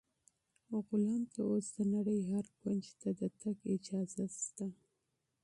غلام ته اوس د نړۍ هر کونج ته د تګ اجازه شته.